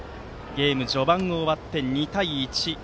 ゲーム序盤が終わって２対１。